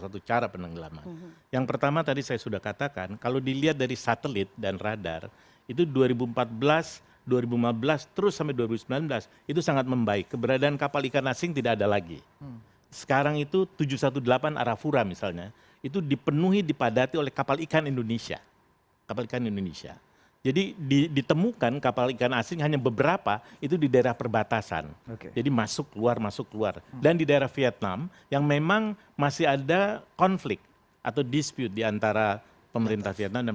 tapi setelah ini bukan penenggelaman lagi jargonnya